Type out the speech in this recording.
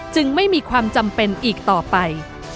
ไม่มีความจำเป็นอีกต่อไป